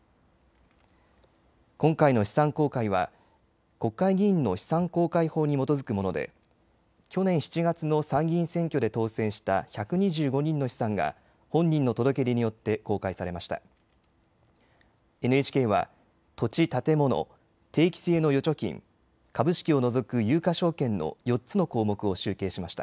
今回の資産公開は国会議員の資産公開法に基づくもので去年７月の参議院選挙で当選した１２５人の資産が本人の届け出によって公開されました。